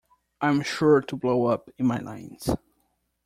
I'm sure to blow up in my lines.